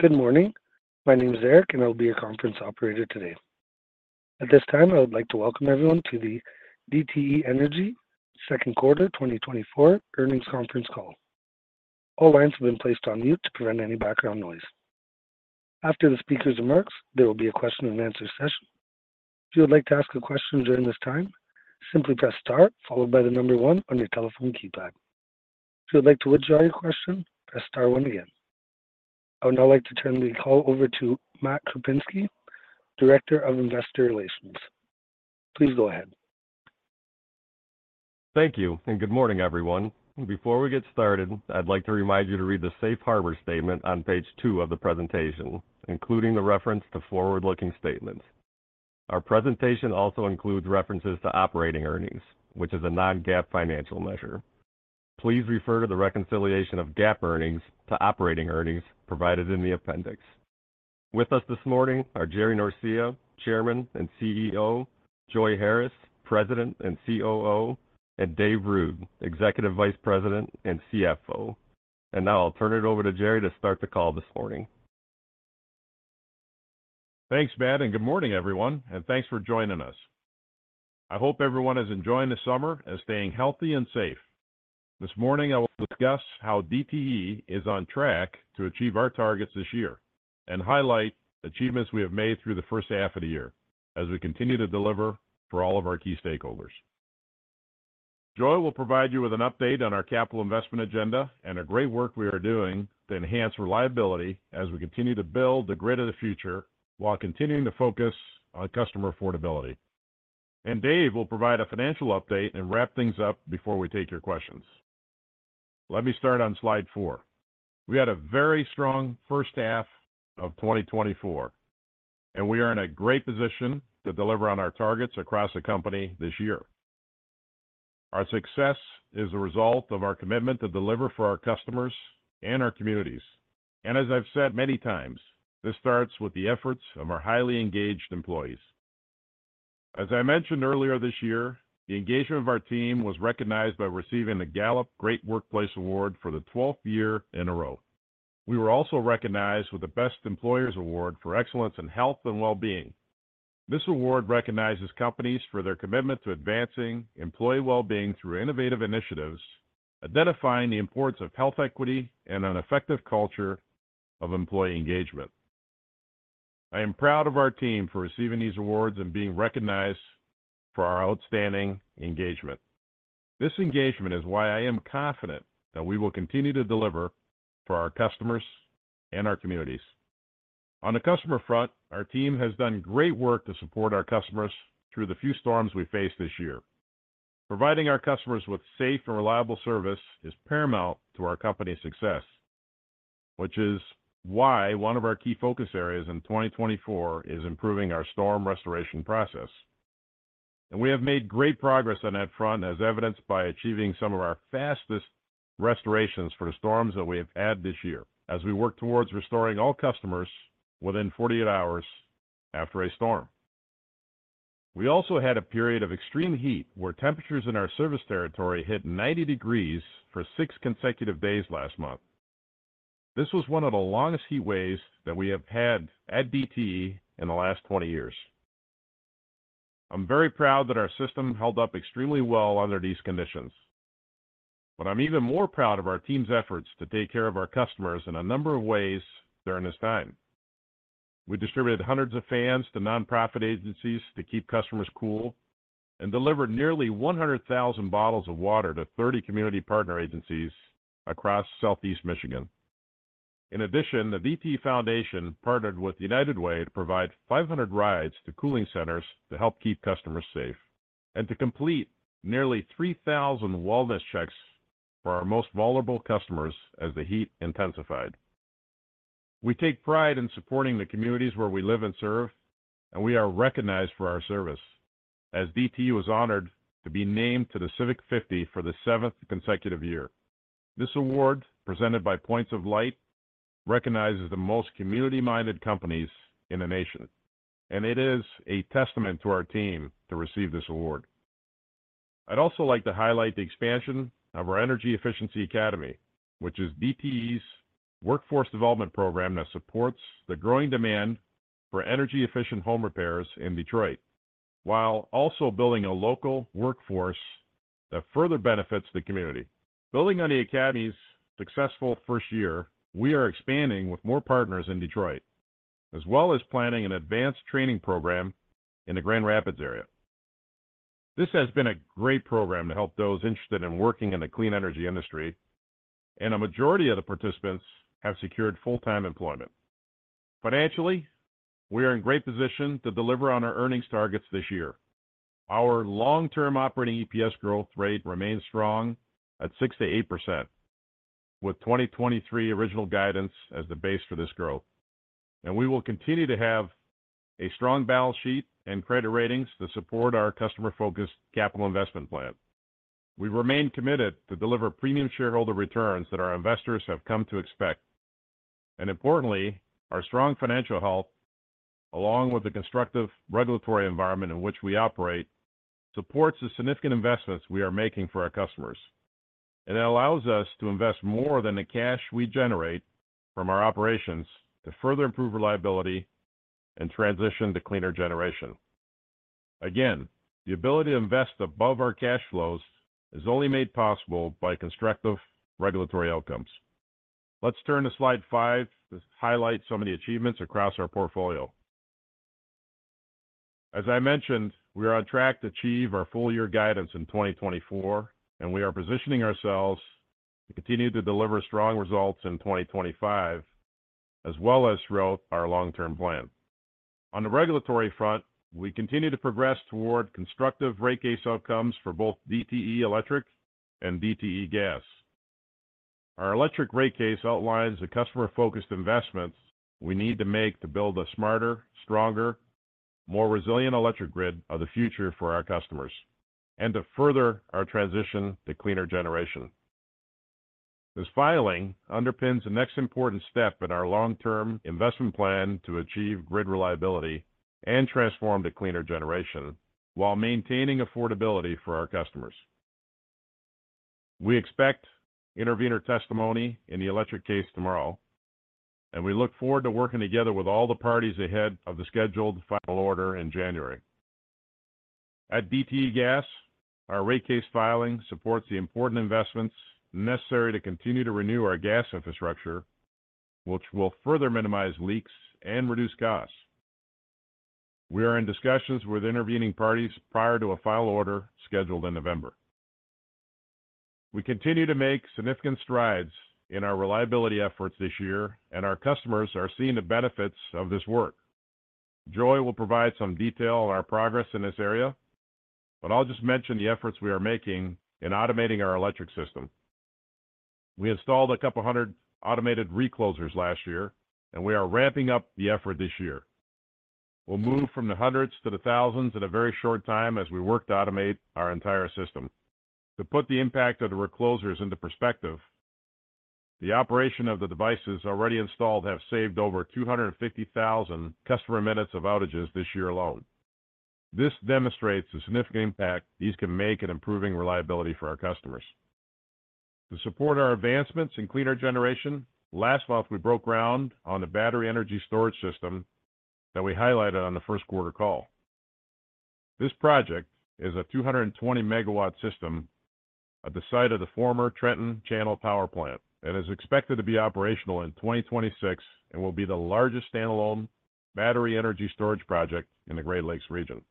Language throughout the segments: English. Good morning. My name is Eric, and I'll be your conference operator today. At this time, I would like to welcome everyone to the DTE Energy Q2 2024 Earnings Conference Call. All lines have been placed on mute to prevent any background noise. After the speakers' remarks, there will be a question-and-answer session. If you would like to ask a question during this time, simply press star followed by the number one on your telephone keypad. If you would like to withdraw your question, press star one again. I would now like to turn the call over to Matt Krupinski, Director of Investor Relations. Please go ahead. Thank you, and good morning, everyone. Before we get started, I'd like to remind you to read the safe harbor statement on page two of the presentation, including the reference to forward-looking statements. Our presentation also includes references to operating earnings, which is a non-GAAP financial measure. Please refer to the reconciliation of GAAP earnings to operating earnings provided in the appendix. With us this morning are Jerry Norcia, Chairman and CEO, Joi Harris, President and COO, and Dave Ruud, Executive Vice President and CFO. Now I'll turn it over to Jerry to start the call this morning. Thanks, Matt, and good morning, everyone, and thanks for joining us. I hope everyone is enjoying the summer and staying healthy and safe. This morning, I will discuss how DTE is on track to achieve our targets this year and highlight achievements we have made through the first half of the year as we continue to deliver for all of our key stakeholders. Joi will provide you with an update on our capital investment agenda and the great work we are doing to enhance reliability as we continue to build the grid of the future while continuing to focus on customer affordability. And Dave will provide a financial update and wrap things up before we take your questions. Let me start on slide four. We had a very strong first half of 2024, and we are in a great position to deliver on our targets across the company this year. Our success is a result of our commitment to deliver for our customers and our communities, and as I've said many times, this starts with the efforts of our highly engaged employees. As I mentioned earlier this year, the engagement of our team was recognized by receiving the Gallup Great Workplace Award for the 12th year in a row. We were also recognized with the Best Employers Award for Excellence in Health and Well-being. This award recognizes companies for their commitment to advancing employee well-being through innovative initiatives, identifying the importance of health equity and an effective culture of employee engagement. I am proud of our team for receiving these awards and being recognized for our outstanding engagement. This engagement is why I am confident that we will continue to deliver for our customers and our communities. On the customer front, our team has done great work to support our customers through the few storms we faced this year. Providing our customers with safe and reliable service is paramount to our company's success, which is why one of our key focus areas in 2024 is improving our storm restoration process. We have made great progress on that front, as evidenced by achieving some of our fastest restorations for the storms that we have had this year, as we work towards restoring all customers within 48 hours after a storm. We also had a period of extreme heat where temperatures in our service territory hit 90 degrees for six consecutive days last month. This was one of the longest heat waves that we have had at DTE in the last 20 years. I'm very proud that our system held up extremely well under these conditions, but I'm even more proud of our team's efforts to take care of our customers in a number of ways during this time. We distributed hundreds of fans to nonprofit agencies to keep customers cool and delivered nearly 100,000 bottles of water to 30 community partner agencies across Southeast Michigan. In addition, the DTE Foundation partnered with United Way to provide 500 rides to cooling centers to help keep customers safe, and to complete nearly 3,000 wellness checks for our most vulnerable customers as the heat intensified. We take pride in supporting the communities where we live and serve, and we are recognized for our service, as DTE was honored to be named to The Civic 50 for the seventh consecutive year. This award, presented by Points of Light, recognizes the most community-minded companies in the nation, and it is a testament to our team to receive this award. I'd also like to highlight the expansion of our Energy Efficiency Academy, which is DTE's workforce development program that supports the growing demand for energy-efficient home repairs in Detroit, while also building a local workforce that further benefits the community. Building on the academy's successful first year, we are expanding with more partners in Detroit, as well as planning an advanced training program in the Grand Rapids area. This has been a great program to help those interested in working in the clean energy industry, and a majority of the participants have secured full-time employment. Financially, we are in great position to deliver on our earnings targets this year. Our long-term operating EPS growth rate remains strong at 6%-8%, with 2023 original guidance as the base for this growth. We will continue to have a strong balance sheet and credit ratings to support our customer-focused capital investment plan. We remain committed to deliver premium shareholder returns that our investors have come to expect. Importantly, our strong financial health, along with the constructive regulatory environment in which we operate, supports the significant investments we are making for our customers, and it allows us to invest more than the cash we generate from our operations to further improve reliability and transition to cleaner generation. Again, the ability to invest above our cash flows is only made possible by constructive regulatory outcomes. Let's turn to slide five to highlight some of the achievements across our portfolio. As I mentioned, we are on track to achieve our full year guidance in 2024, and we are positioning ourselves to continue to deliver strong results in 2025, as well as throughout our long-term plan. On the regulatory front, we continue to progress toward constructive rate case outcomes for both DTE Electric and DTE Gas. Our electric rate case outlines the customer-focused investments we need to make to build a smarter, stronger, more resilient electric grid of the future for our customers, and to further our transition to cleaner generation. This filing underpins the next important step in our long-term investment plan to achieve grid reliability and transform to cleaner generation, while maintaining affordability for our customers. We expect intervener testimony in the electric case tomorrow, and we look forward to working together with all the parties ahead of the scheduled final order in January. At DTE Gas, our rate case filing supports the important investments necessary to continue to renew our gas infrastructure, which will further minimize leaks and reduce costs. We are in discussions with intervening parties prior to a final order scheduled in November. We continue to make significant strides in our reliability efforts this year, and our customers are seeing the benefits of this work. Joi will provide some detail on our progress in this area, but I'll just mention the efforts we are making in automating our electric system. We installed a couple of 100 automated reclosers last year, and we are ramping up the effort this year. We'll move from the 100s to the 1000s in a very short time as we work to automate our entire system. To put the impact of the reclosers into perspective, the operation of the devices already installed have saved over 250,000 customer minutes of outages this year alone. This demonstrates the significant impact these can make in improving reliability for our customers. To support our advancements in cleaner generation, last month, we broke ground on the battery energy storage system that we highlighted on the Q1 call. This project is a 220-megawatt system at the site of the former Trenton Channel Power Plant, and is expected to be operational in 2026 and will be the largest standalone battery energy storage project in the Great Lakes region.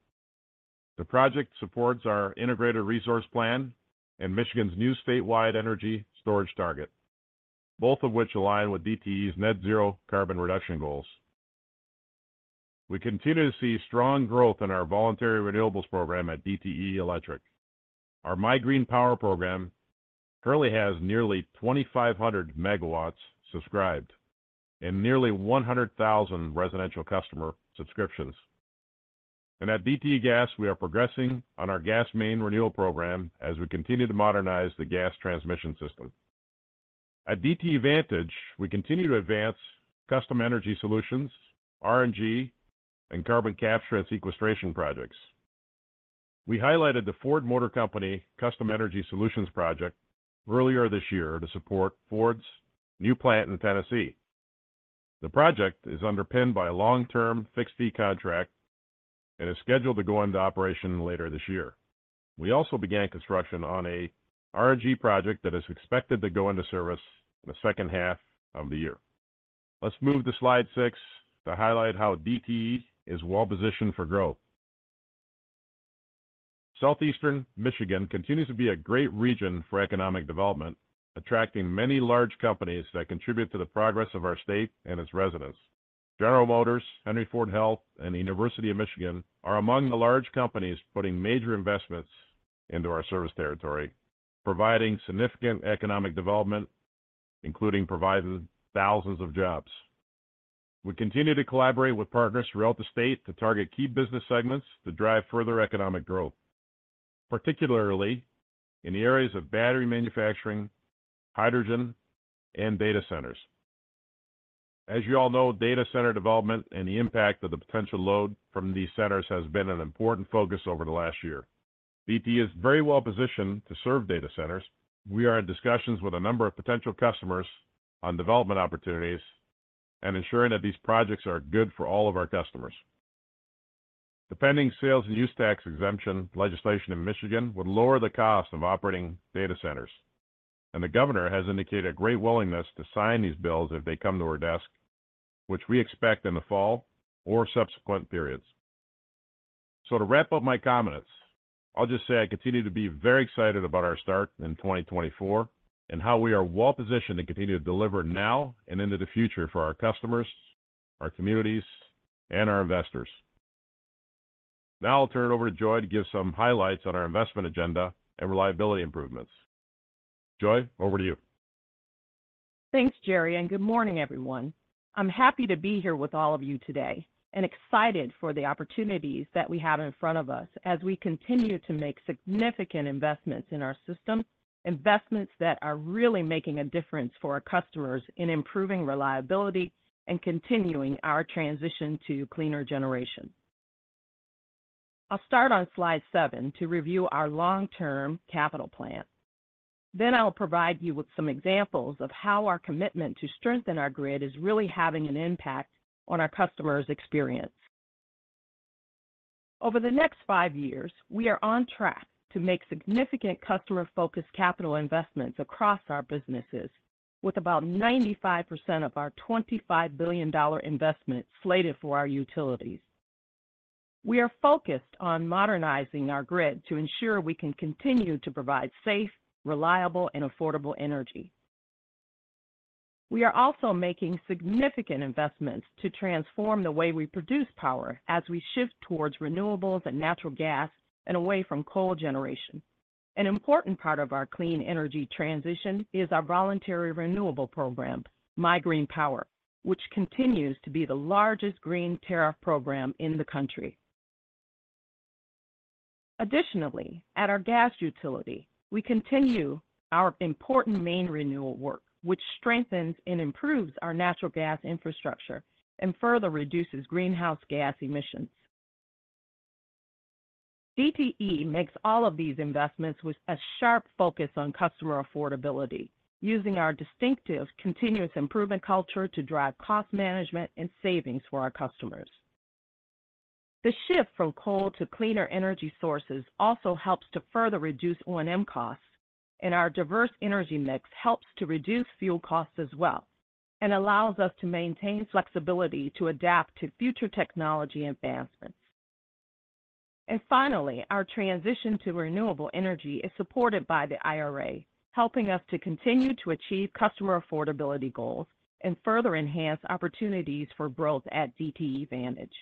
The project supports our integrated resource plan and Michigan's new statewide energy storage target, both of which align with DTE's net zero carbon reduction goals. We continue to see strong growth in our voluntary renewables program at DTE Electric. Our MIGreenPower program currently has nearly 2,500 megawatts subscribed and nearly 100,000 residential customer subscriptions. At DTE Gas, we are progressing on our gas main renewal program as we continue to modernize the gas transmission system. At DTE Vantage, we continue to advance Custom Energy Solutions, RNG, and carbon capture and sequestration projects. We highlighted the Ford Motor Company Custom Energy Solutions project earlier this year to support Ford's new plant in Tennessee. The project is underpinned by a long-term fixed-fee contract and is scheduled to go into operation later this year. We also began construction on a RNG project that is expected to go into service in the second half of the year. Let's move to slide six to highlight how DTE is well positioned for growth. Southeast Michigan continues to be a great region for economic development, attracting many large companies that contribute to the progress of our state and its residents. General Motors, Henry Ford Health, and the University of Michigan are among the large companies putting major investments into our service territory, providing significant economic development, including providing thousands of jobs. We continue to collaborate with partners throughout the state to target key business segments to drive further economic growth, particularly in the areas of battery manufacturing, hydrogen, and data centers. As you all know, data center development and the impact of the potential load from these centers has been an important focus over the last year. DTE is very well positioned to serve data centers. We are in discussions with a number of potential customers on development opportunities and ensuring that these projects are good for all of our customers. The pending sales and use tax exemption legislation in Michigan would lower the cost of operating data centers, and the governor has indicated a great willingness to sign these bills if they come to her desk, which we expect in the fall or subsequent periods. So to wrap up my comments, I'll just say I continue to be very excited about our start in 2024 and how we are well positioned to continue to deliver now and into the future for our customers, our communities, and our investors. Now I'll turn it over to Joi to give some highlights on our investment agenda and reliability improvements. Joi, over to you. Thanks, Jerry, and good morning, everyone. I'm happy to be here with all of you today and excited for the opportunities that we have in front of us as we continue to make significant investments in our system, investments that are really making a difference for our customers in improving reliability and continuing our transition to cleaner generation. I'll start on slide seven to review our long-term capital plan. Then I'll provide you with some examples of how our commitment to strengthen our grid is really having an impact on our customer's experience. Over the next five years, we are on track to make significant customer-focused capital investments across our businesses, with about 95% of our $25 billion dollar investment slated for our utilities. We are focused on modernizing our grid to ensure we can continue to provide safe, reliable, and affordable energy. We are also making significant investments to transform the way we produce power as we shift towards renewables and natural gas and away from coal generation. An important part of our clean energy transition is our voluntary renewable program, MIGreenPower, which continues to be the largest green tariff program in the country. Additionally, at our gas utility, we continue our important main renewal work, which strengthens and improves our natural gas infrastructure and further reduces greenhouse gas emissions. DTE makes all of these investments with a sharp focus on customer affordability, using our distinctive continuous improvement culture to drive cost management and savings for our customers. The shift from coal to cleaner energy sources also helps to further reduce O&M costs, and our diverse energy mix helps to reduce fuel costs as well, and allows us to maintain flexibility to adapt to future technology advancements. Finally, our transition to renewable energy is supported by the IRA, helping us to continue to achieve customer affordability goals and further enhance opportunities for growth at DTE Vantage.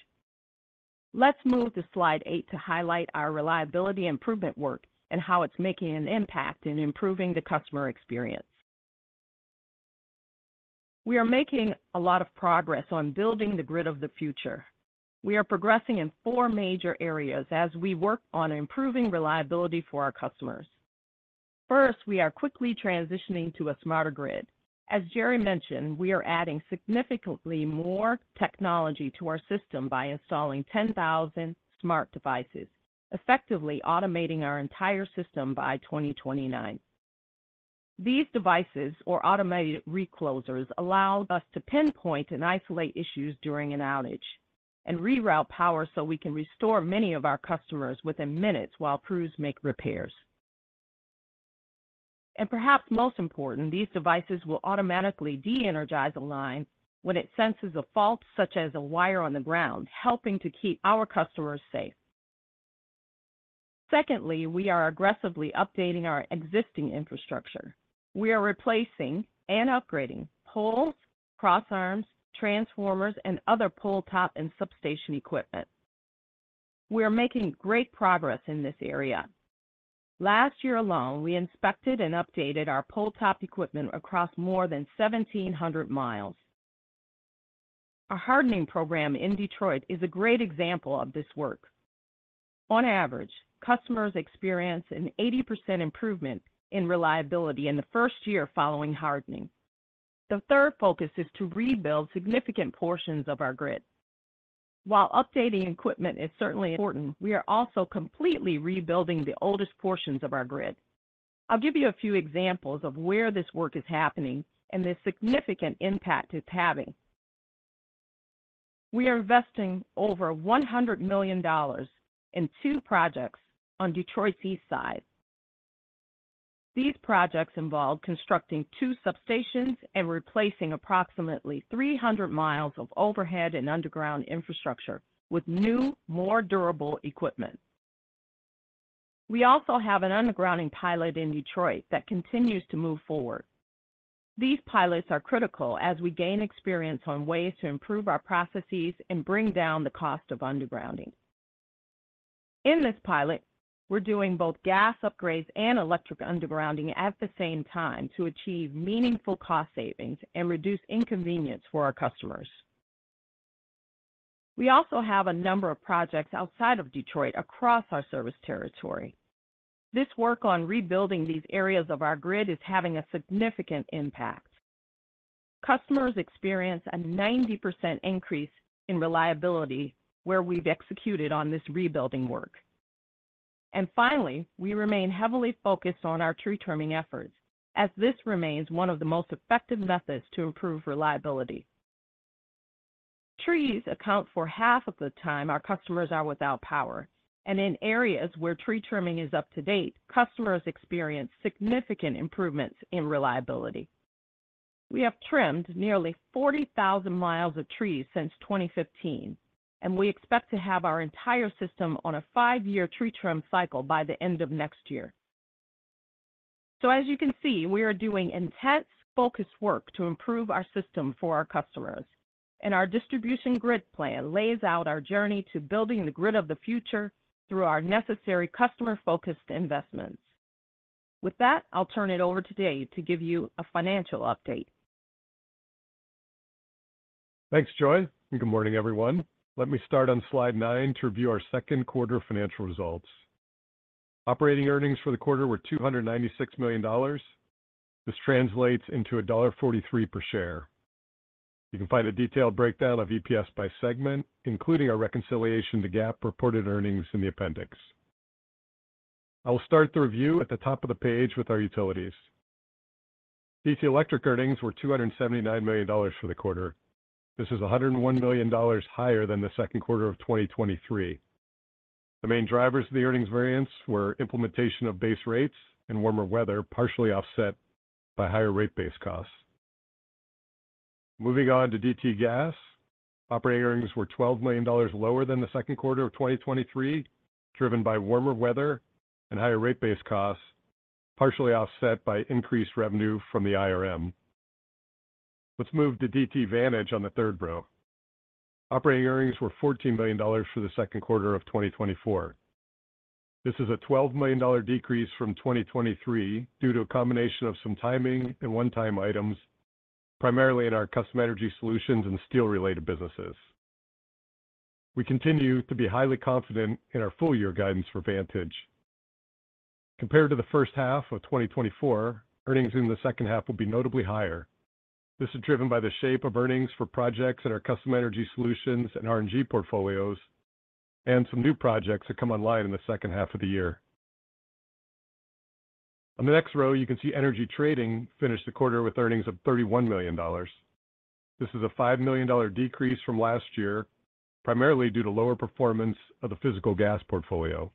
Let's move to slide eight to highlight our reliability improvement work and how it's making an impact in improving the customer experience. We are making a lot of progress on building the grid of the future. We are progressing in four major areas as we work on improving reliability for our customers. First, we are quickly transitioning to a smarter grid. As Jerry mentioned, we are adding significantly more technology to our system by installing 10,000 smart devices, effectively automating our entire system by 2029. These devices, or Automated Reclosers, allow us to pinpoint and isolate issues during an outage and reroute power so we can restore many of our customers within minutes while crews make repairs. Perhaps most important, these devices will automatically de-energize a line when it senses a fault, such as a wire on the ground, helping to keep our customers safe. Secondly, we are aggressively updating our existing infrastructure. We are replacing and upgrading poles, cross arms, transformers, and other pole top and substation equipment. We are making great progress in this area. Last year alone, we inspected and updated our pole top equipment across more than 1,700 miles. Our hardening program in Detroit is a great example of this work. On average, customers experience an 80% improvement in reliability in the first year following hardening. The third focus is to rebuild significant portions of our grid. While updating equipment is certainly important, we are also completely rebuilding the oldest portions of our grid. I'll give you a few examples of where this work is happening and the significant impact it's having. We are investing over $100 million in two projects on Detroit's east side. These projects involve constructing two substations and replacing approximately 300 miles of overhead and underground infrastructure with new, more durable equipment. We also have an undergrounding pilot in Detroit that continues to move forward. These pilots are critical as we gain experience on ways to improve our processes and bring down the cost of undergrounding. In this pilot, we're doing both gas upgrades and electric undergrounding at the same time to achieve meaningful cost savings and reduce inconvenience for our customers. We also have a number of projects outside of Detroit across our service territory. This work on rebuilding these areas of our grid is having a significant impact. Customers experience a 90% increase in reliability where we've executed on this rebuilding work. And finally, we remain heavily focused on our tree trimming efforts, as this remains one of the most effective methods to improve reliability. Trees account for half of the time our customers are without power, and in areas where tree trimming is up to date, customers experience significant improvements in reliability. We have trimmed nearly 40,000 miles of trees since 2015, and we expect to have our entire system on a five-year tree trim cycle by the end of next year. So as you can see, we are doing intense, focused work to improve our system for our customers, and our distribution grid plan lays out our journey to building the grid of the future through our necessary customer-focused investments. With that, I'll turn it over to Dave to give you a financial update. Thanks, Joi, and good morning, everyone. Let me start on slide nine to review our Q2 financial results. Operating earnings for the quarter were $296 million. This translates into $1.43 per share. You can find a detailed breakdown of EPS by segment, including our reconciliation to GAAP reported earnings in the appendix. I will start the review at the top of the page with our utilities. DTE Electric earnings were $279 million for the quarter. This is $101 million higher than the Q2 of 2023. The main drivers of the earnings variance were implementation of base rates and warmer weather, partially offset by higher rate base costs. Moving on to DTE Gas. Operating earnings were $12 million lower than the Q2 of 2023, driven by warmer weather and higher rate base costs, partially offset by increased revenue from the IRM. Let's move to DTE Vantage on the third row. Operating earnings were $14 million for the Q2 of 2024. This is a $12 million decrease from 2023 due to a combination of some timing and one-time items, primarily in our Custom Energy Solutions and steel-related businesses. We continue to be highly confident in our full year guidance for Vantage. Compared to the first half of 2024, earnings in the second half will be notably higher. This is driven by the shape of earnings for projects in our Custom Energy Solutions and RNG portfolios, and some new projects that come online in the second half of the year. On the next row, you can see Energy Trading finished the quarter with earnings of $31 million. This is a $5 million decrease from last year, primarily due to lower performance of the physical gas portfolio.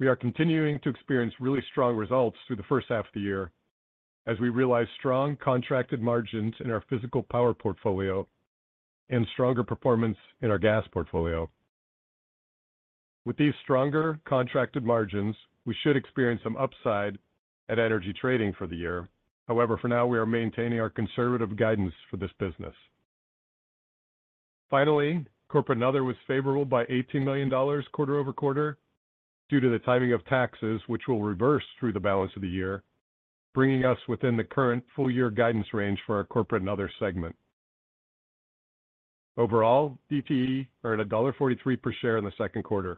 We are continuing to experience really strong results through the first half of the year as we realize strong contracted margins in our physical power portfolio and stronger performance in our gas portfolio. With these stronger contracted margins, we should experience some upside at Energy Trading for the year. However, for now, we are maintaining our conservative guidance for this business. Finally, Corporate and Other was favorable by $18 million quarter-over-quarter due to the timing of taxes, which will reverse through the balance of the year, bringing us within the current full year guidance range for our corporate and other segment. Overall, DTE earned $1.43 per share in the Q2.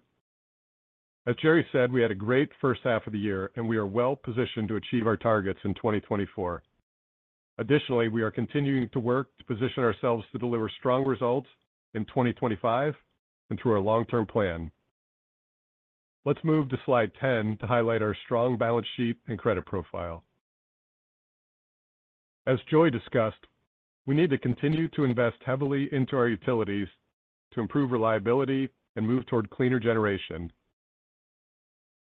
As Jerry said, we had a great first half of the year, and we are well positioned to achieve our targets in 2024. Additionally, we are continuing to work to position ourselves to deliver strong results in 2025 and through our long-term plan. Let's move to slide 10 to highlight our strong balance sheet and credit profile. As Joi discussed, we need to continue to invest heavily into our utilities to improve reliability and move toward cleaner generation.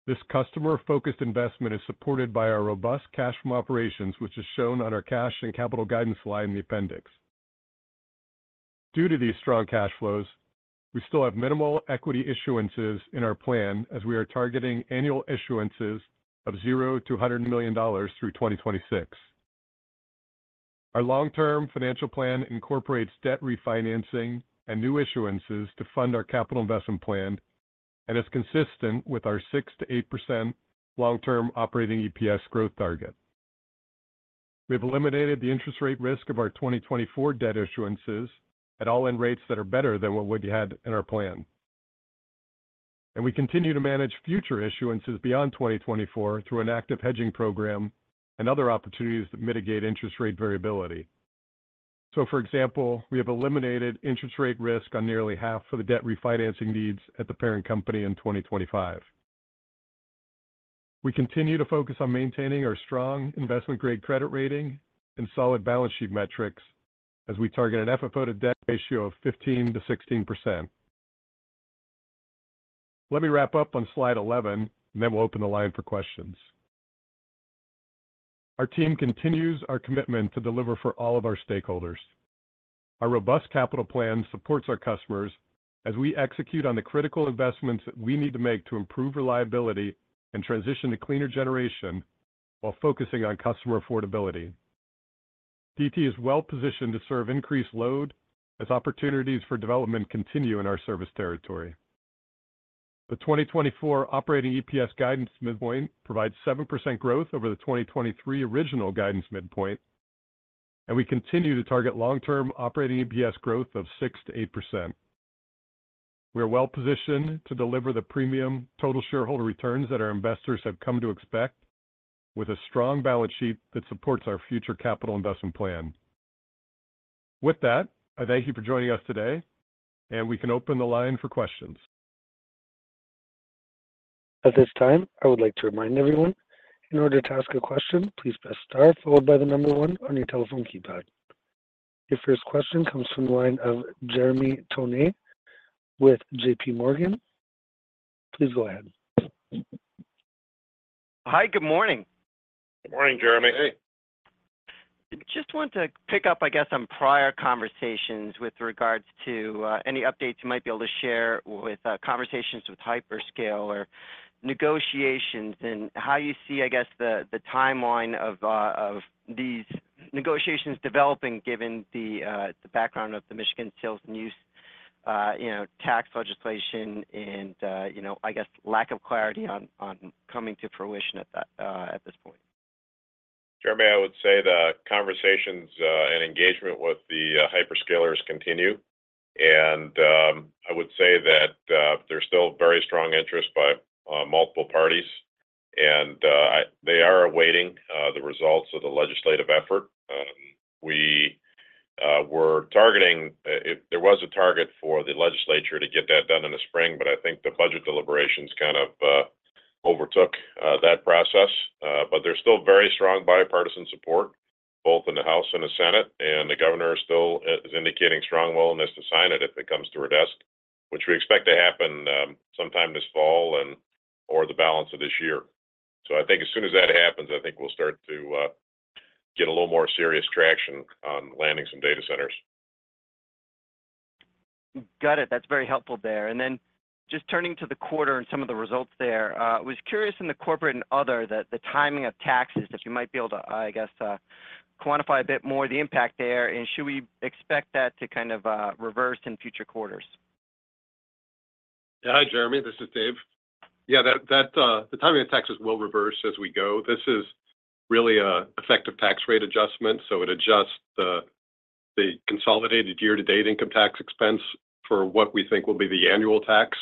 This customer-focused investment is supported by our robust cash from operations, which is shown on our cash and capital guidance slide in the appendix. Due to these strong cash flows, we still have minimal equity issuances in our plan, as we are targeting annual issuances of $0-$100 million through 2026. Our long-term financial plan incorporates debt refinancing and new issuances to fund our capital investment plan, and is consistent with our 6%-8% long-term operating EPS growth target. We've eliminated the interest rate risk of our 2024 debt issuances at all-in rates that are better than what we had in our plan. And we continue to manage future issuances beyond 2024 through an active hedging program and other opportunities that mitigate interest rate variability. So, for example, we have eliminated interest rate risk on nearly half of the debt refinancing needs at the parent company in 2025. We continue to focus on maintaining our strong investment-grade credit rating and solid balance sheet metrics as we target an FFO to debt ratio of 15%-16%. Let me wrap up on slide 11, and then we'll open the line for questions. Our team continues our commitment to deliver for all of our stakeholders. Our robust capital plan supports our customers as we execute on the critical investments that we need to make to improve reliability and transition to cleaner generation while focusing on customer affordability. DTE is well positioned to serve increased load as opportunities for development continue in our service territory. The 2024 operating EPS guidance midpoint provides 7% growth over the 2023 original guidance midpoint, and we continue to target long-term operating EPS growth of 6%-8%. We are well positioned to deliver the premium total shareholder returns that our investors have come to expect, with a strong balance sheet that supports our future capital investment plan. With that, I thank you for joining us today, and we can open the line for questions. At this time, I would like to remind everyone, in order to ask a question, please press star followed by the number one on your telephone keypad. Your first question comes from the line of Jeremy Tonet with JPMorgan. Please go ahead. Hi, good morning. Good morning, Jeremy. Hey. Just wanted to pick up, I guess, on prior conversations with regards to any updates you might be able to share with conversations with hyperscalers or negotiations, and how you see, I guess, the timeline of these negotiations developing, given the background of the Michigan sales and use tax legislation and, you know, I guess lack of clarity on coming to fruition at this point? Jeremy, I would say the conversations and engagement with the hyperscalers continue. I would say that there's still very strong interest by multiple parties, and they are awaiting the results of the legislative effort. We were targeting there was a target for the legislature to get that done in the spring, but I think the budget deliberations kind of overtook that process. There's still very strong bipartisan support both in the House and the Senate, and the governor still is indicating strong willingness to sign it if it comes to her desk, which we expect to happen sometime this fall and, or the balance of this year. I think as soon as that happens, I think we'll start to get a little more serious traction on landing some data centers. Got it. That's very helpful there. And then, just turning to the quarter and some of the results there, was curious in the corporate and other, the, the timing of taxes, if you might be able to, I guess, quantify a bit more the impact there, and should we expect that to kind of, reverse in future quarters? Yeah. Hi, Jeremy, this is Dave. Yeah, that, that, the timing of taxes will reverse as we go. This is really an effective tax rate adjustment, so it adjusts the, the consolidated year-to-date income tax expense for what we think will be the annual tax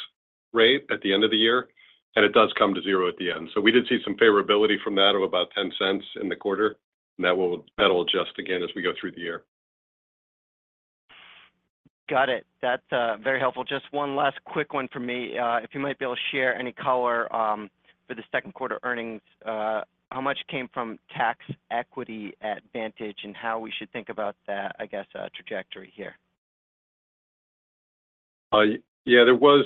rate at the end of the year, and it does come to zero at the end. So we did see some favorability from that of about $0.10 in the quarter, and that will, that will adjust again as we go through the year. Got it. That's very helpful. Just one last quick one for me. If you might be able to share any color for the Q2 earnings, how much came from tax equity at Vantage, and how we should think about that, I guess, trajectory here? Yeah, there was,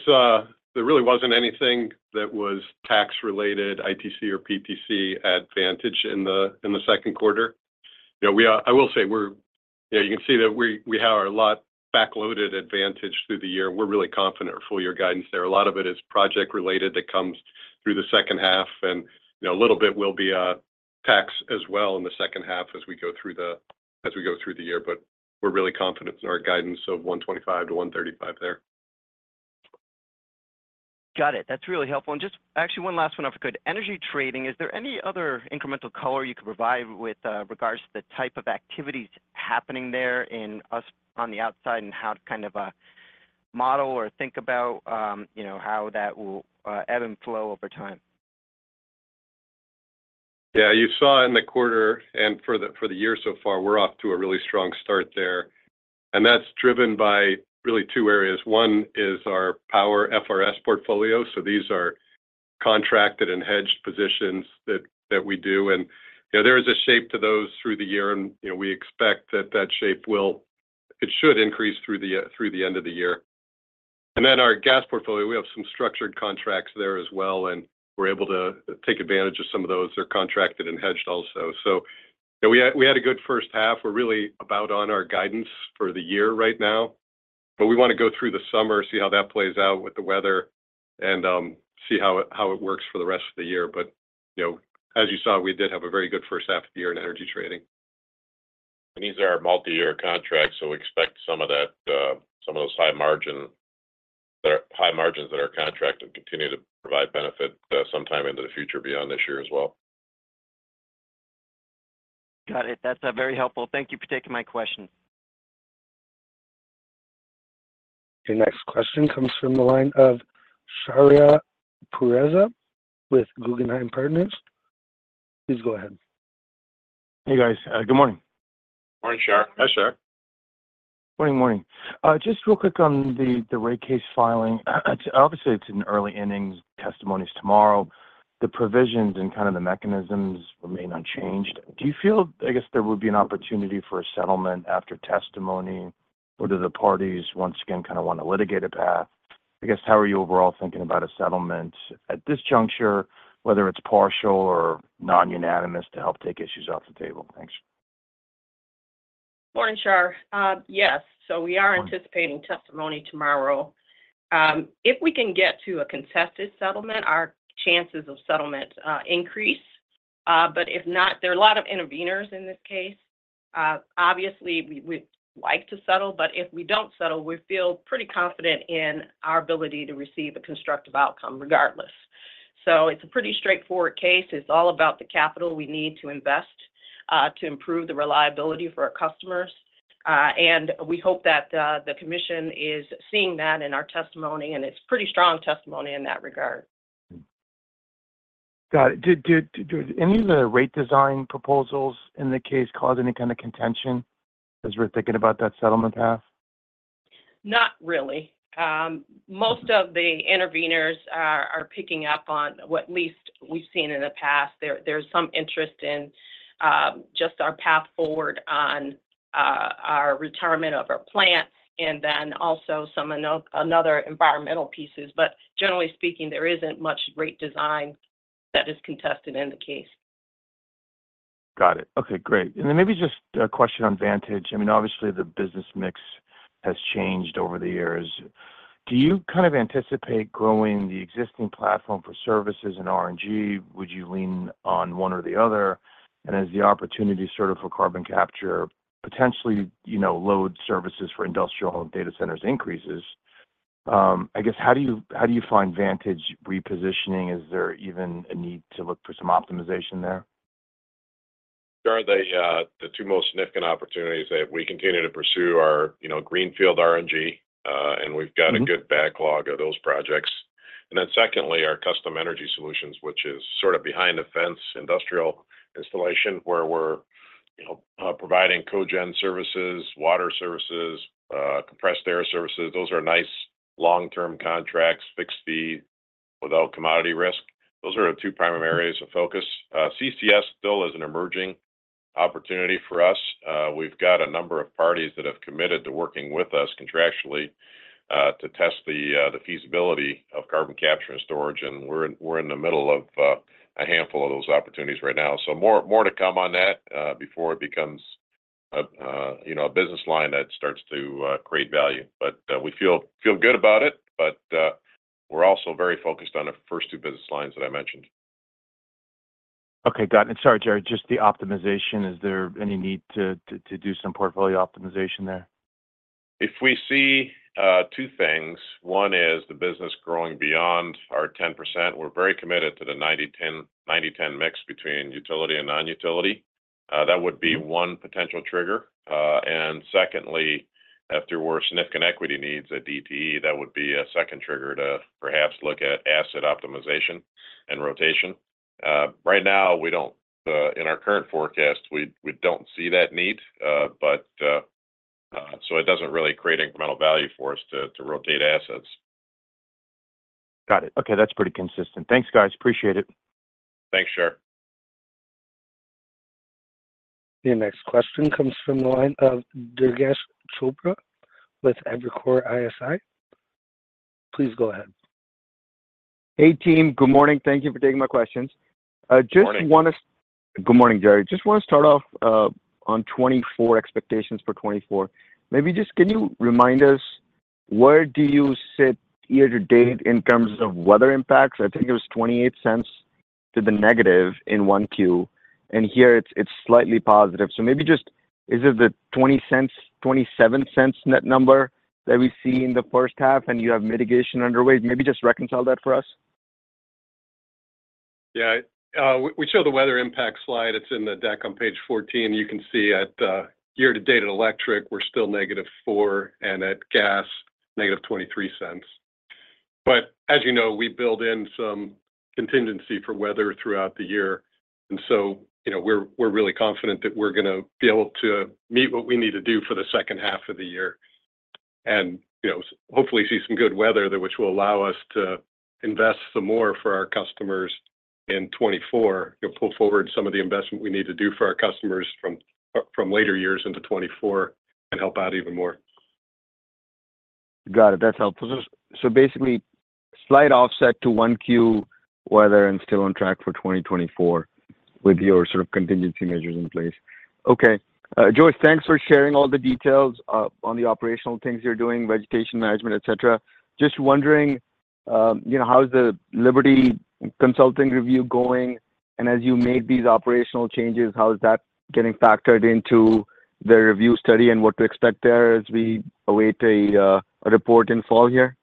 there really wasn't anything that was tax-related, ITC or PTC, at Vantage in the, in the Q2. You know, we, I will say we're-- yeah, you can see that we, we have a lot backloaded at Vantage through the year. We're really confident in our full year guidance there. A lot of it is project related that comes through the second half, and, you know, a little bit will be, tax as well in the second half as we go through the, as we go through the year, but we're really confident in our guidance of $1.25-$1.35 there. Got it. That's really helpful. And just actually one last one, if I could. Energy trading, is there any other incremental color you could provide with regards to the type of activities happening there in U.S., on the outside, and how to kind of model or think about, you know, how that will ebb and flow over time? Yeah, you saw in the quarter, and for the year so far, we're off to a really strong start there, and that's driven by really two areas. One is our power FRS portfolio, so these are contracted and hedged positions that we do. And, you know, there is a shape to those through the year, and, you know, we expect that that shape will, it should increase through the end of the year. And then our gas portfolio, we have some structured contracts there as well, and we're able to take advantage of some of those. They're contracted and hedged also. So yeah, we had a good first half. We're really about on our guidance for the year right now, but we want to go through the summer, see how that plays out with the weather, and see how it works for the rest of the year. But, you know, as you saw, we did have a very good first half of the year in Energy Trading. These are multi-year contracts, so we expect some of that, some of those high-margin, high margins that are contracted to continue to provide benefit, sometime into the future beyond this year as well. Got it. That's very helpful. Thank you for taking my question. Your next question comes from the line of Shahriar Pourreza with Guggenheim Partners. Please go ahead. Hey, guys. Good morning. Morning, Shar. Hi, Shar. Morning, morning. Just real quick on the rate case filing. Obviously, it's in early innings, testimony's tomorrow. The provisions and kind of the mechanisms remain unchanged. Do you feel, I guess, there would be an opportunity for a settlement after testimony, or do the parties once again kind of want to litigate a path? I guess, how are you overall thinking about a settlement at this juncture, whether it's partial or non-unanimous, to help take issues off the table? Thanks. Morning, Shar. Yes. Morning. So we are anticipating testimony tomorrow. If we can get to a contested settlement, our chances of settlement increase, but if not, there are a lot of interveners in this case. Obviously, we, we'd like to settle, but if we don't settle, we feel pretty confident in our ability to receive a constructive outcome regardless. So it's a pretty straightforward case. It's all about the capital we need to invest to improve the reliability for our customers. We hope that the Commission is seeing that in our testimony, and it's pretty strong testimony in that regard. Got it. Did any of the rate design proposals in the case cause any kind of contention as we're thinking about that settlement path? Not really. Most of the interveners are picking up on what at least we've seen in the past. There's some interest in just our path forward on our retirement of our plant and then also some another environmental pieces. But generally speaking, there isn't much rate design that is contested in the case. Got it. Okay, great. And then maybe just a question on Vantage. I mean, obviously, the business mix has changed over the years. Do you kind of anticipate growing the existing platform for services and RNG? Would you lean on one or the other? And as the opportunity sort of for carbon capture, potentially, you know, load services for industrial and data centers increases-... I guess, how do you, how do you find Vantage repositioning? Is there even a need to look for some optimization there? Sure. The two most significant opportunities that we continue to pursue are, you know, Greenfield RNG, and we've got- Mm-hmm... a good backlog of those projects. And then secondly, our Custom Energy Solutions, which is sort of behind the fence, industrial installation, where we're, you know, providing cogen services, water services, compressed air services. Those are nice long-term contracts, fixed fee, without commodity risk. Those are the two primary areas of focus. CCS still is an emerging opportunity for us. We've got a number of parties that have committed to working with us contractually, to test the feasibility of carbon capture and storage, and we're in the middle of a handful of those opportunities right now. So more, more to come on that, before it becomes a, you know, a business line that starts to create value. But, we feel good about it, but, we're also very focused on the first two business lines that I mentioned. Okay, got it. Sorry, Jerry, just the optimization, is there any need to do some portfolio optimization there? If we see two things, one is the business growing beyond our 10%. We're very committed to the 90-10, 90-10 mix between utility and non-utility. That would be one potential trigger. And secondly, if there were significant equity needs at DTE, that would be a second trigger to perhaps look at asset optimization and rotation. Right now, we don't, in our current forecast, we, we don't see that need, but, so it doesn't really create incremental value for us to, to rotate assets. Got it. Okay, that's pretty consistent. Thanks, guys. Appreciate it. Thanks, Shar. The next question comes from the line of Durgesh Chopra with Evercore ISI. Please go ahead. Hey, team. Good morning. Thank you for taking my questions. Good morning. Good morning, Jerry. Just want to start off on 2024 expectations for 2024. Maybe just can you remind us, where do you sit year to date in terms of weather impacts? I think it was -$0.28 in 1Q, and here it's, it's slightly positive. So maybe just, is it the $0.20, $0.27 net number that we see in the first half, and you have mitigation underway? Maybe just reconcile that for us. Yeah, we show the weather impact slide. It's in the deck on page 14. You can see at year to date at Electric, we're still -4, and at Gas, - $0.23. But as you know, we build in some contingency for weather throughout the year, and so, you know, we're really confident that we're gonna be able to meet what we need to do for the second half of the year and, you know, hopefully see some good weather, which will allow us to invest some more for our customers in 2024. You know, pull forward some of the investment we need to do for our customers from later years into 2024 and help out even more. Got it. That's helpful. So basically, slight offset to 1Q weather and still on track for 2024 with your sort of contingency measures in place. Okay. Joi, thanks for sharing all the details on the operational things you're doing, vegetation management, et cetera. Just wondering, you know, how's the Liberty Consulting review going? And as you make these operational changes, how is that getting factored into the review study and what to expect there as we await a report in fall here?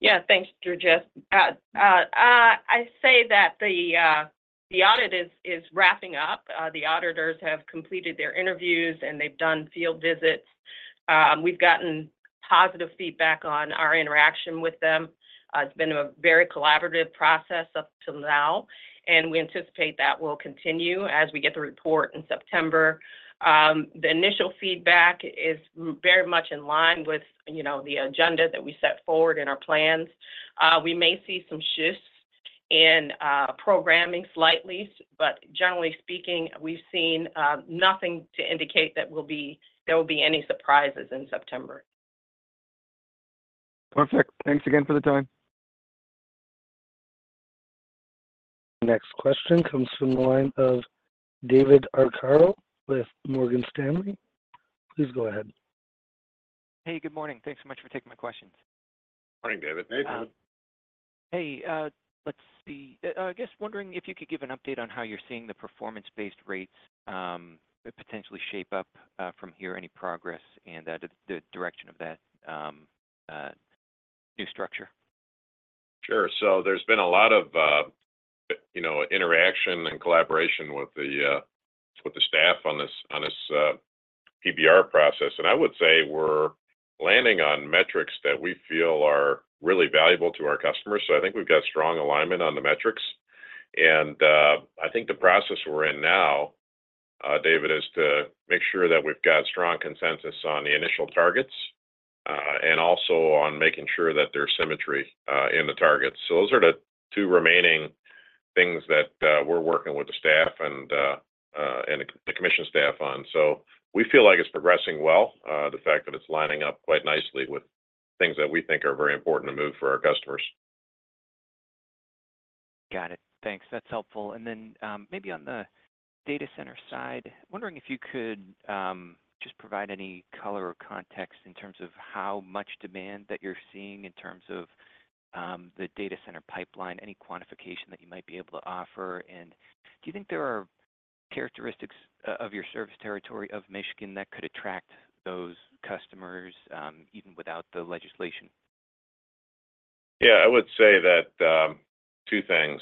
Yeah. Thanks, Durgesh. I say that the audit is wrapping up. The auditors have completed their interviews, and they've done field visits. We've gotten positive feedback on our interaction with them. It's been a very collaborative process up till now, and we anticipate that will continue as we get the report in September. The initial feedback is very much in line with, you know, the agenda that we set forward in our plans. We may see some shifts in programming slightly, but generally speaking, we've seen nothing to indicate that there will be any surprises in September. Perfect. Thanks again for the time. Next question comes from the line of David Arcaro with Morgan Stanley. Please go ahead. Hey, good morning. Thanks so much for taking my questions. Morning, David. Hey, David. Hey, let's see. Just wondering if you could give an update on how you're seeing the Performance-Based Rates, potentially shape up, from here, any progress and the direction of that new structure? Sure. So there's been a lot of, you know, interaction and collaboration with the staff on this PBR process, and I would say we're landing on metrics that we feel are really valuable to our customers. So I think we've got strong alignment on the metrics. And I think the process we're in now, David, is to make sure that we've got strong consensus on the initial targets, and also on making sure that there's symmetry in the targets. So those are the two remaining things that we're working with the Staff and the Commission staff on. So we feel like it's progressing well, the fact that it's lining up quite nicely with things that we think are very important to move for our customers. Got it. Thanks. That's helpful. And then, maybe on the data center side, wondering if you could, just provide any color or context in terms of how much demand that you're seeing in terms of, the data center pipeline, any quantification that you might be able to offer, and do you think there are characteristics of your service territory of Michigan that could attract those customers, even without the legislation? Yeah, I would say that, two things,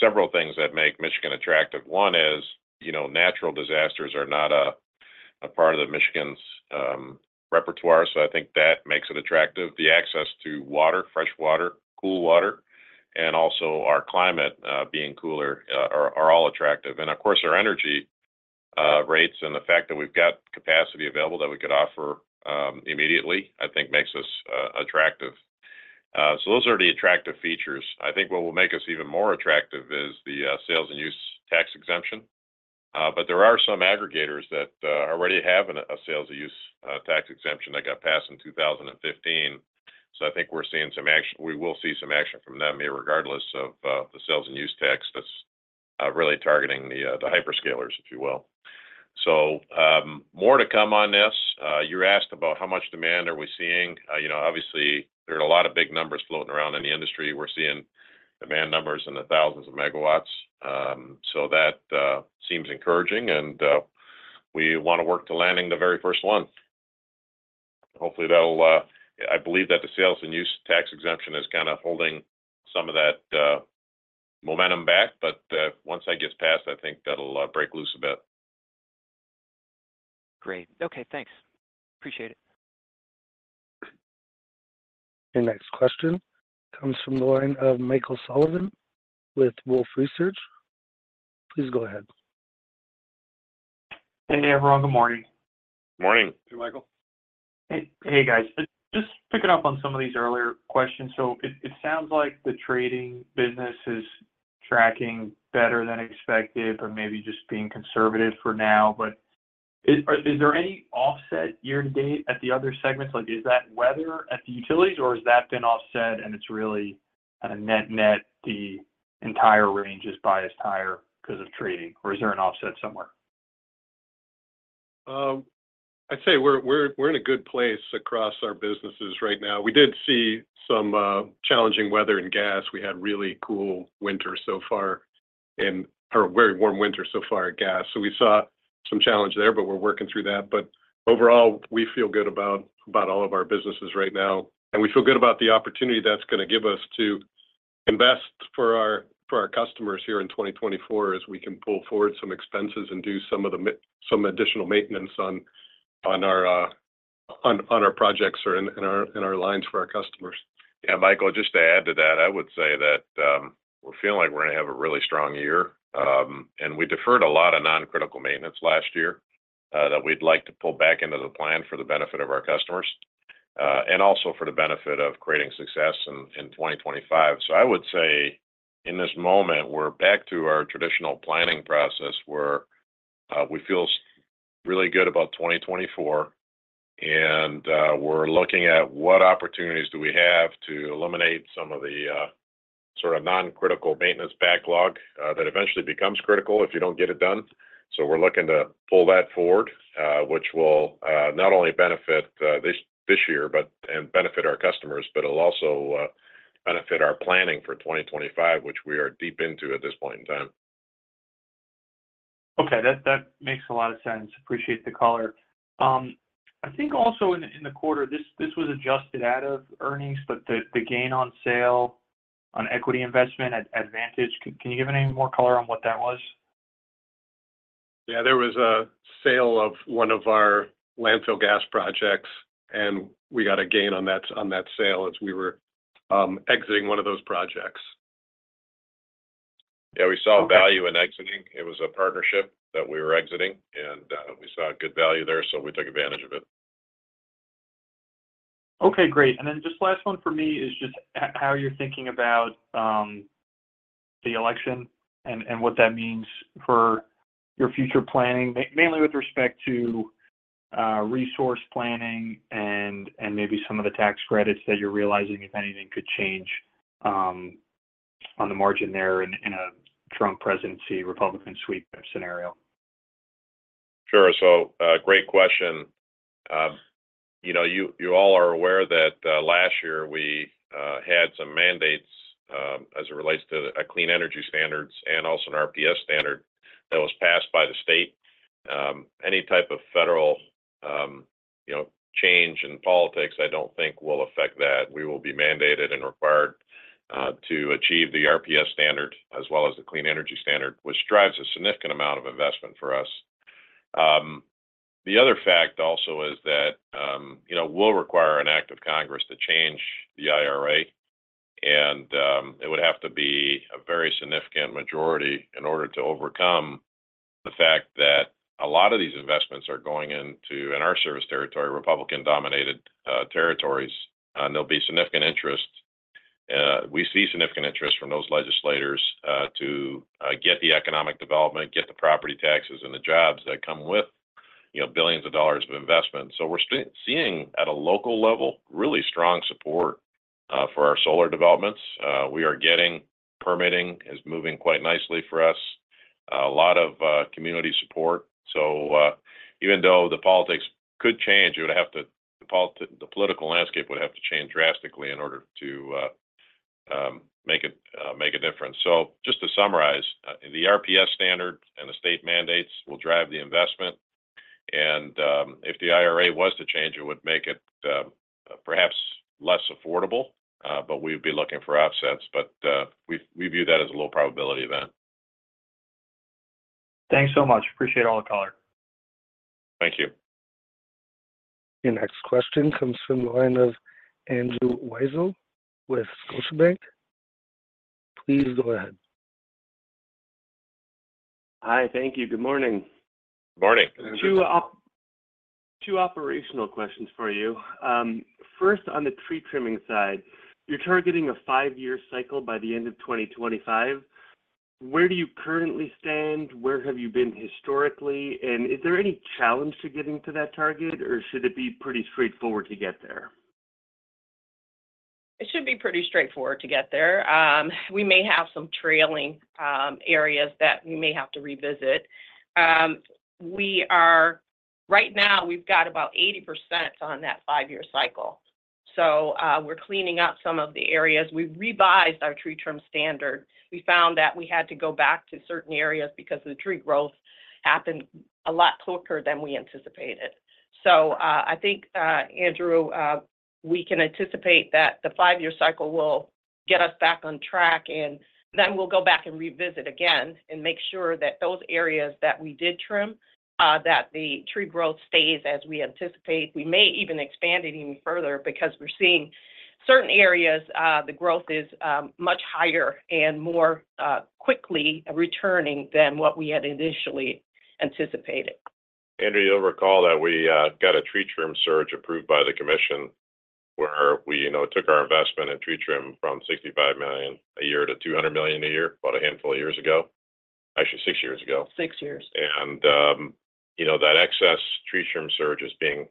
several things that make Michigan attractive. One is, you know, natural disasters are not a part of the Michigan's, repertoire, so I think that makes it attractive. The access to water, fresh water, cool water, and also our climate, being cooler, are all attractive. And of course, our energy, rates and the fact that we've got capacity available that we could offer, immediately, I think makes us, attractive. So those are the attractive features. I think what will make us even more attractive is the, sales and use tax exemption. But there are some aggregators that, already have a sales and use tax exemption that got passed in 2015. So I think we're seeing some action. We will see some action from them irregardless of the sales and use tax that's really targeting the hyperscalers, if you will. So, more to come on this. You asked about how much demand are we seeing? You know, obviously, there are a lot of big numbers floating around in the industry. We're seeing demand numbers in the thousands of megawatts. So that seems encouraging, and we want to work to landing the very first one. Hopefully, that'll. I believe that the sales and use tax exemption is kinda holding some of that momentum back, but once that gets passed, I think that'll break loose a bit. Great. Okay, thanks. Appreciate it. Your next question comes from the line of Michael Sullivan with Wolfe Research. Please go ahead. Hey there, everyone. Good morning. Morning. Hey, Michael. Hey, hey, guys. Just picking up on some of these earlier questions. So it sounds like the trading business is tracking better than expected or maybe just being conservative for now, but is there any offset year to date at the other segments? Like, is that weather at the utilities, or has that been offset and it's really a net-net, the entire range is biased higher 'cause of trading, or is there an offset somewhere? I'd say we're in a good place across our businesses right now. We did see some challenging weather in gas. We had really cool winter so far and, or a very warm winter so far in gas. So we saw some challenge there, but we're working through that. But overall, we feel good about all of our businesses right now, and we feel good about the opportunity that's gonna give us to invest for our customers here in 2024, as we can pull forward some expenses and do some additional maintenance on our projects or in our lines for our customers. Yeah, Michael, just to add to that, I would say that, we're feeling like we're going to have a really strong year. And we deferred a lot of non-critical maintenance last year, that we'd like to pull back into the plan for the benefit of our customers, and also for the benefit of creating success in 2025. So I would say in this moment, we're back to our traditional planning process, where, we feel really good about 2024, and, we're looking at what opportunities do we have to eliminate some of the, sort of non-critical maintenance backlog, that eventually becomes critical if you don't get it done. So we're looking to pull that forward, which will not only benefit this year, but benefit our customers, but it'll also benefit our planning for 2025, which we are deep into at this point in time. Okay, that makes a lot of sense. Appreciate the color. I think also in the quarter, this was adjusted out of earnings, but the gain on sale on equity investment at Vantage, can you give any more color on what that was? Yeah, there was a sale of one of our landfill gas projects, and we got a gain on that, on that sale as we were, exiting one of those projects. Yeah, we saw value in exiting. It was a partnership that we were exiting, and we saw a good value there, so we took advantage of it. Okay, great. And then just last one for me is just how you're thinking about the election and what that means for your future planning, mainly with respect to resource planning and maybe some of the tax credits that you're realizing, if anything, could change on the margin there in a Trump presidency, Republican sweep scenario. Sure. So, great question. You know, you all are aware that last year we had some mandates as it relates to a clean energy standards and also an RPS standard that was passed by the state. Any type of federal, you know, change in politics, I don't think will affect that. We will be mandated and required to achieve the RPS standard as well as the clean energy standard, which drives a significant amount of investment for us. The other fact also is that, you know, we'll require an act of Congress to change the IRA, and it would have to be a very significant majority in order to overcome the fact that a lot of these investments are going into, in our service territory, Republican-dominated territories, and there'll be significant interest. We see significant interest from those legislators to get the economic development, get the property taxes and the jobs that come with, you know, billions of dollars of investment. So we're seeing, at a local level, really strong support for our solar developments. Permitting is moving quite nicely for us, a lot of community support. So, even though the politics could change, it would have to, the political landscape would have to change drastically in order to make a difference. So just to summarize, the RPS standard and the state mandates will drive the investment, and, if the IRA was to change, it would make it perhaps less affordable, but we'd be looking for offsets. But we view that as a low probability event. Thanks so much. Appreciate all the color. Thank you. Your next question comes from the line of Andrew Weisel with Scotiabank. Please go ahead. Hi. Thank you. Good morning. Good morning. Two operational questions for you. First, on the tree trimming side, you're targeting a five-year cycle by the end of 2025. Where do you currently stand? Where have you been historically? And is there any challenge to getting to that target, or should it be pretty straightforward to get there? It should be pretty straightforward to get there. We may have some trailing areas that we may have to revisit. We are right now, we've got about 80% on that five-year cycle, so, we're cleaning up some of the areas. We revised our tree trim standard. We found that we had to go back to certain areas because the tree growth happened a lot quicker than we anticipated. So, I think, Andrew, we can anticipate that the five-year cycle will get us back on track, and then we'll go back and revisit again and make sure that those areas that we did trim, that the tree growth stays as we anticipate. We may even expand it even further because we're seeing certain areas, the growth is much higher and more quickly returning than what we had initially anticipated. Andrew, you'll recall that we got a tree trim surge approved by the commission, where we, you know, took our investment in tree trim from $65 million a year to $200 million a year, about a handful of years ago. Actually, six years ago. Six years. You know, that excess tree trim surge is being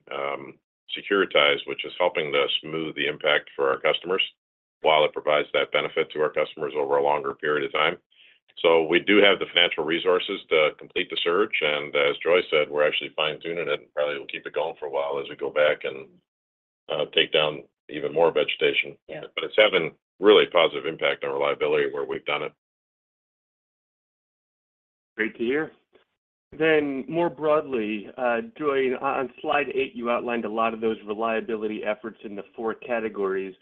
securitized, which is helping us smooth the impact for our customers while it provides that benefit to our customers over a longer period of time. We do have the financial resources to complete the surge, and as Joi said, we're actually fine-tuning it, and probably we'll keep it going for a while as we go back and take down even more vegetation. Yeah. It's having really a positive impact on reliability where we've done it. Great to hear. Then, more broadly, Joi, on slide eight, you outlined a lot of those reliability efforts in the four categories.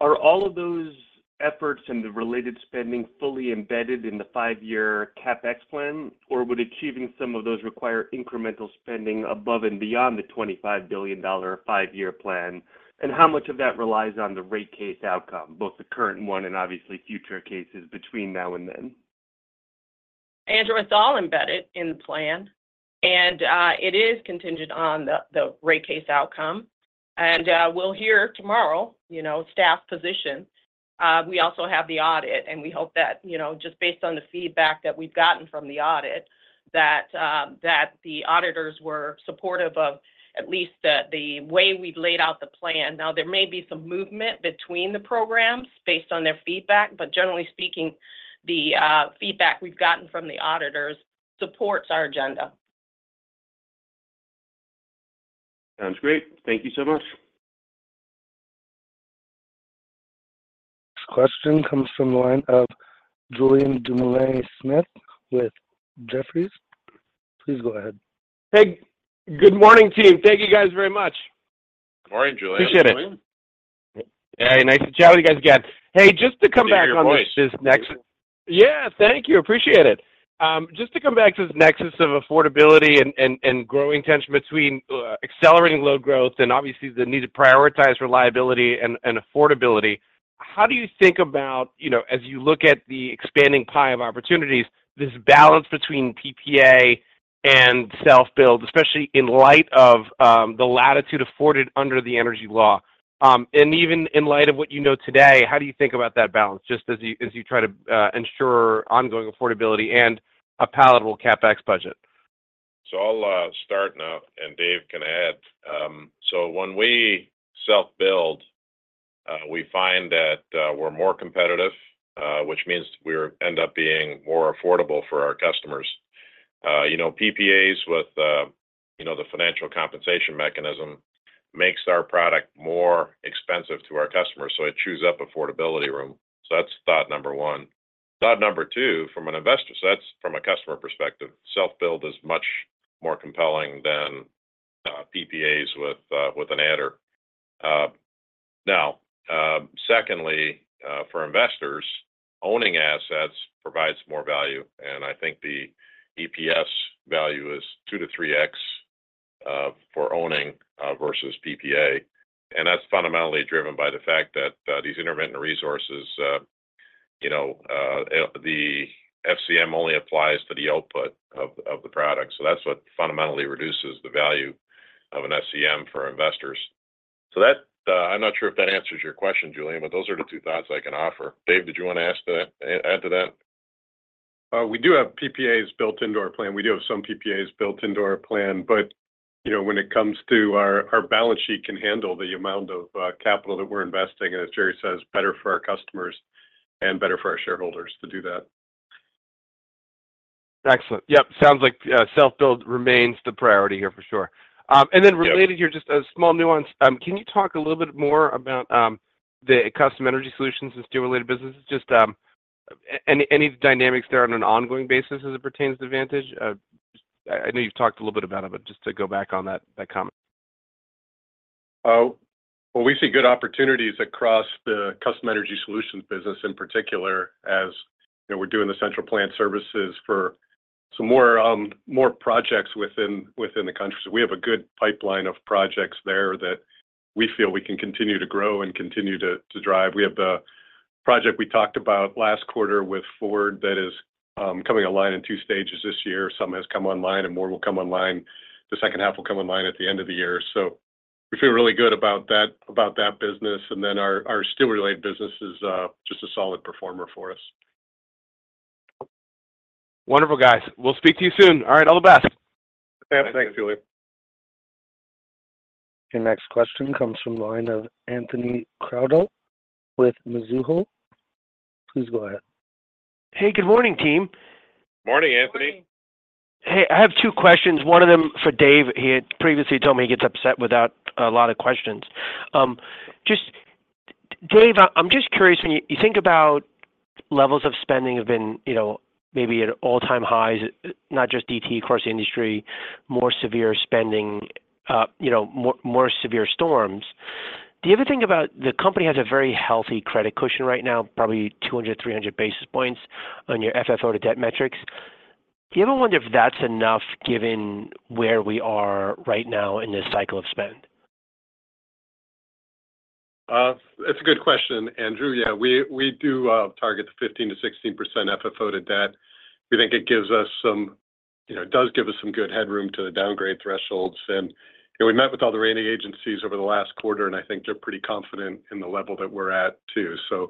Are all of those efforts and the related spending fully embedded in the five-year CapEx plan, or would achieving some of those require incremental spending above and beyond the $25 billion five-year plan? And how much of that relies on the rate case outcome, both the current one and obviously future cases between now and then? Andrew, it's all embedded in the plan, and it is contingent on the rate case outcome. We'll hear tomorrow, you know, staff position. We also have the audit, and we hope that, you know, just based on the feedback that we've gotten from the audit, that the auditors were supportive of at least the way we've laid out the plan. Now, there may be some movement between the programs based on their feedback, but generally speaking, the feedback we've gotten from the auditors supports our agenda. Sounds great. Thank you so much. Next question comes from the line of Julian Dumoulin-Smith with Jefferies. Please go ahead. Hey, good morning, team. Thank you, guys, very much. Good morning, Julian. Appreciate it. Hey, nice to chat with you guys again. Hey, just to come back- Good to hear your voice.... on this next. Yeah, thank you. Appreciate it. Just to come back to this nexus of affordability and growing tension between accelerating load growth and obviously the need to prioritize reliability and affordability, how do you think about, you know, as you look at the expanding pie of opportunities, this balance between PPA and self-build, especially in light of the latitude afforded under the energy law? And even in light of what you know today, how do you think about that balance, just as you try to ensure ongoing affordability and a palatable CapEx budget? So I'll start now, and Dave can add. So when we self-build, we find that we're more competitive, which means we're end up being more affordable for our customers. You know, PPAs with the Financial Compensation Mechanism makes our product more expensive to our customers, so it chews up affordability room. So that's thought number one. Thought number two, from an investor set, from a customer perspective, self-build is much more compelling than PPAs with an adder. Now, secondly, for investors, owning assets provides more value, and I think the EPS value is 2-3x for owning versus PPA. And that's fundamentally driven by the fact that these intermittent resources, you know, the FCM only applies to the output of the product. So that's what fundamentally reduces the value of an FCM for investors. So that, I'm not sure if that answers your question, Julian, but those are the two thoughts I can offer. Dave, did you want to add to that? We do have PPAs built into our plan. We do have some PPAs built into our plan, but, you know, when it comes to our balance sheet can handle the amount of capital that we're investing, and as Jerry says, better for our customers and better for our shareholders to do that.... Excellent. Yep, sounds like self-build remains the priority here for sure. And then related here, just a small nuance. Can you talk a little bit more about the Custom Energy Solutions and steel-related businesses? Just any dynamics there on an ongoing basis as it pertains to Vantage? I know you've talked a little bit about it, but just to go back on that, that comment. Well, we see good opportunities across the Custom Energy Solutions business, in particular, as, you know, we're doing the central plant services for some more, more projects within, within the country. So we have a good pipeline of projects there that we feel we can continue to grow and continue to, to drive. We have the project we talked about last quarter with Ford that is, coming online in two stages this year. Some has come online, and more will come online. The second half will come online at the end of the year, so we feel really good about that, about that business. And then our, our steel-related business is, just a solid performer for us. Wonderful, guys. We'll speak to you soon. All right, all the best. Thanks, Julien. Your next question comes from the line of Anthony Crowdell with Mizuho. Please go ahead. Hey, good morning, team. Morning, Anthony. Hey, I have two questions, one of them for Dave. He had previously told me he gets upset without a lot of questions. Just, Dave, I, I'm just curious, when you think about levels of spending have been, you know, maybe at all-time highs, not just DTE, across the industry, more severe spending, you know, more severe storms. Do you ever think about the company has a very healthy credit cushion right now, probably 200-300 basis points on your FFO to debt metrics. Do you ever wonder if that's enough, given where we are right now in this cycle of spend? That's a good question, Andrew. Yeah, we do target the 15%-16% FFO to debt. We think it gives us some—you know, it does give us some good headroom to the downgrade thresholds. And, you know, we met with all the rating agencies over the last quarter, and I think they're pretty confident in the level that we're at, too. So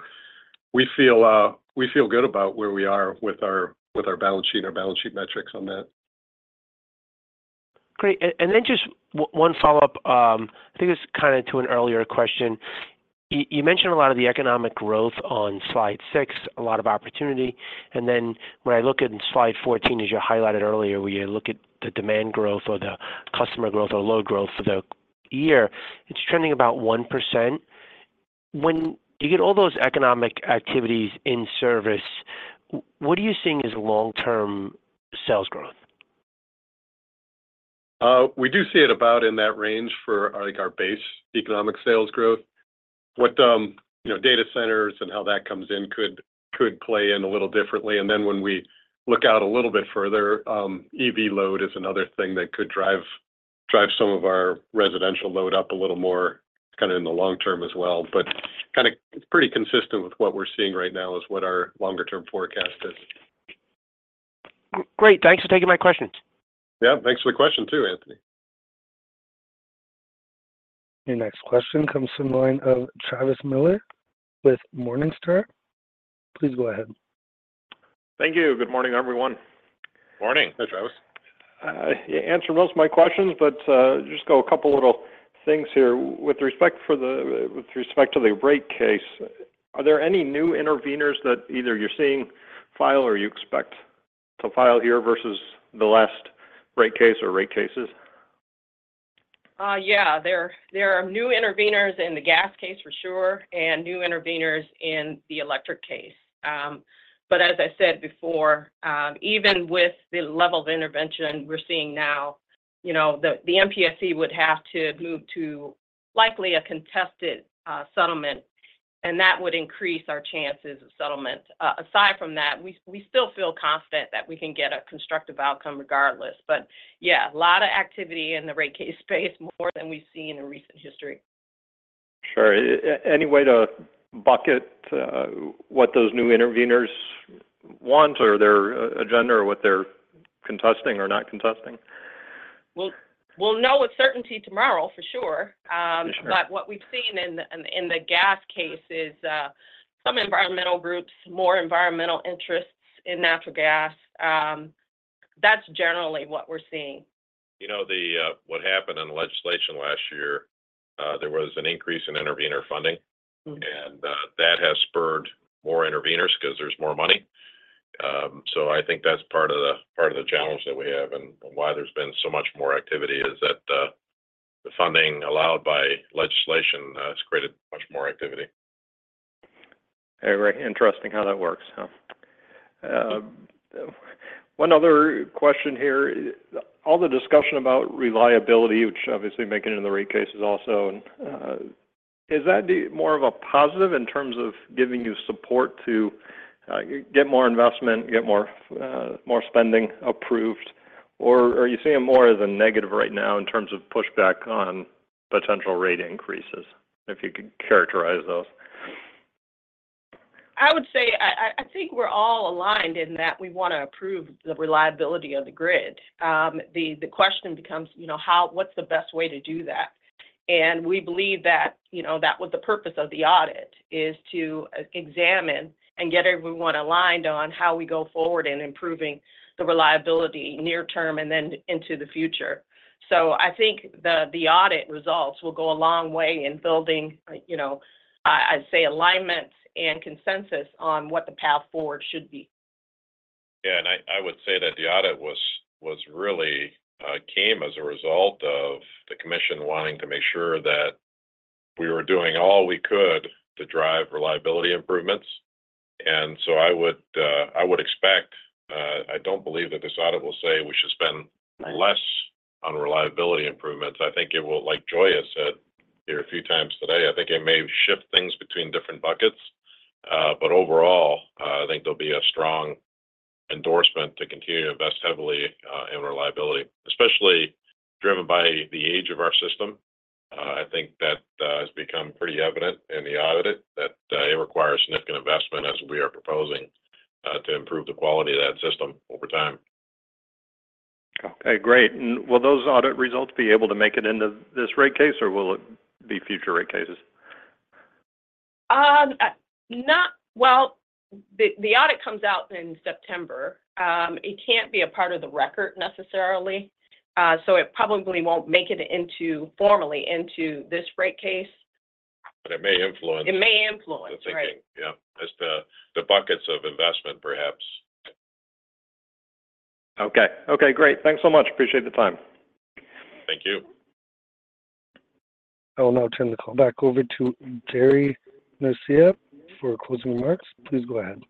we feel good about where we are with our balance sheet and our balance sheet metrics on that. Great. And then just one follow-up, I think it's kind of to an earlier question. You mentioned a lot of the economic growth on slide six, a lot of opportunity, and then when I look at slide 14, as you highlighted earlier, where you look at the demand growth or the customer growth or load growth for the year, it's trending about 1%. When you get all those economic activities in service, what are you seeing as long-term sales growth? We do see it about in that range for, like, our base economic sales growth. What, you know, data centers and how that comes in could play in a little differently. And then when we look out a little bit further, EV load is another thing that could drive some of our residential load up a little more, kind of in the long term as well. But kind of pretty consistent with what we're seeing right now is what our longer-term forecast is. Great. Thanks for taking my questions. Yeah. Thanks for the question, too, Anthony. Your next question comes from the line of Travis Miller with Morningstar. Please go ahead. Thank you. Good morning, everyone. Morning. Hey, Travis. You answered most of my questions, but just got a couple of little things here. With respect to the rate case, are there any new interveners that either you're seeing file or you expect to file here versus the last rate case or rate cases? Yeah, there are new interveners in the gas case for sure, and new interveners in the electric case. But as I said before, even with the level of intervention we're seeing now, you know, the MPSC would have to move to likely a contested settlement, and that would increase our chances of settlement. Aside from that, we still feel confident that we can get a constructive outcome regardless. But yeah, a lot of activity in the rate case space, more than we've seen in recent history. Sure. Any way to bucket what those new interveners want or their agenda or what they're contesting or not contesting? Well, we'll know with certainty tomorrow, for sure. Sure. But what we've seen in the gas case is some environmental groups, more environmental interests in natural gas. That's generally what we're seeing. You know, what happened in the legislation last year, there was an increase in intervener funding- Mm-hmm. and, that has spurred more interveners 'cause there's more money. So I think that's part of the, part of the challenge that we have and, and why there's been so much more activity is that, the funding allowed by legislation, has created much more activity. Very interesting how that works. One other question here. All the discussion about reliability, which obviously making it in the rate cases also, is that the more of a positive in terms of giving you support to get more investment, get more, more spending approved, or are you seeing it more as a negative right now in terms of pushback on potential rate increases? If you could characterize those. I would say I think we're all aligned in that we want to approve the reliability of the grid. The question becomes, you know, how—what's the best way to do that? And we believe that, you know, that was the purpose of the audit, is to examine and get everyone aligned on how we go forward in improving the reliability near term and then into the future. So I think the audit results will go a long way in building, you know, I'd say alignment and consensus on what the path forward should be.... Yeah, and I would say that the audit really came as a result of the commission wanting to make sure that we were doing all we could to drive reliability improvements. And so I would expect. I don't believe that this audit will say we should spend less on reliability improvements. I think it will, like Joi said here a few times today, I think it may shift things between different buckets. But overall, I think there'll be a strong endorsement to continue to invest heavily in reliability, especially driven by the age of our system. I think that has become pretty evident in the audit that it requires significant investment, as we are proposing, to improve the quality of that system over time. Okay, great. Will those audit results be able to make it into this rate case, or will it be future rate cases? Well, the audit comes out in September. It can't be a part of the record necessarily, so it probably won't make it formally into this rate case. But it may influence- It may influence. Yeah. As the buckets of investment, perhaps. Okay. Okay, great. Thanks so much. Appreciate the time. Thank you. I will now turn the call back over to Jerry Norcia for closing remarks. Please go ahead.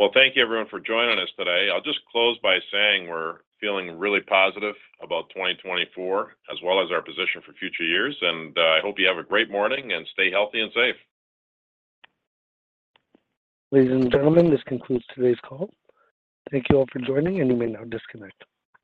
Well, thank you, everyone, for joining us today. I'll just close by saying we're feeling really positive about 2024 as well as our position for future years, and I hope you have a great morning, and stay healthy and safe. Ladies and gentlemen, this concludes today's call. Thank you all for joining, and you may now disconnect.